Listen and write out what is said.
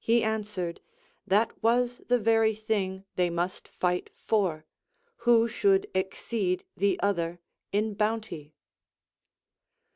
He answered, that was the very thing they must fight for, who should exceed the other in bounty.